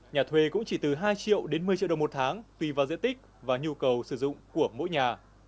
nhà thuê cũng chỉ từ hai triệu đến một mươi triệu đồng một tháng tùy vào diện tích và nhu cầu sử dụng của mỗi nhà